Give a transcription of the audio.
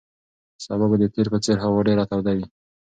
سبا به د تېر په څېر هوا ډېره توده وي.